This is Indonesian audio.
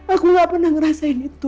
aku gak pernah ngerasain itu